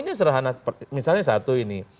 karena misalnya satu ini